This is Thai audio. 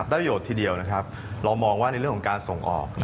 ประโยชน์ทีเดียวนะครับเรามองว่าในเรื่องของการส่งออก